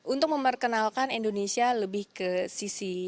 untuk memperkenalkan indonesia lebih ke sisi